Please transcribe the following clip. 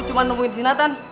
cuma nemuin si natan